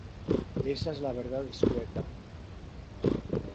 Esa es la verdad escueta.